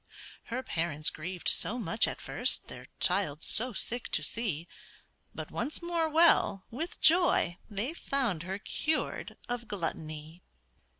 Her parents grieved so much at first Their child so sick to see; But once more well, with joy they found Her cured of gluttony.